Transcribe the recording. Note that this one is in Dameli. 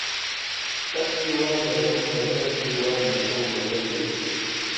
کتی ور دڇُھپ بہ تتِکی ور بہ تو مزہ پرِیو